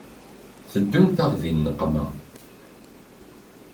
Teddunt-aɣ di nneqma.